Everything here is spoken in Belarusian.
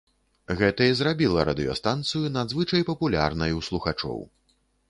Гэта і зрабіла радыёстанцыю надзвычай папулярнай у слухачоў.